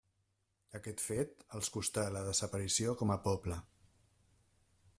Aquest fet els costà la desaparició com a poble.